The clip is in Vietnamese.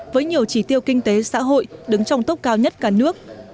với nhiều chỉ tiêu kinh tế xã hội đứng trong tốc cao nhất cả nước